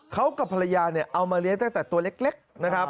เขากับภรรยาเนี่ยเอามาเลี้ยงตั้งแต่ตัวเล็กนะครับ